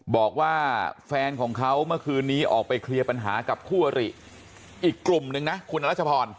บอกว่าแฟนของเขาเมื่อคืนนี้ออกไปเคลียร์ปัญหากับคู่อริอีกกลุ่มนึงนะคุณรัชพร